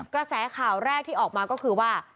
กระแสข่าวแรกที่ออกมาก็คือว่า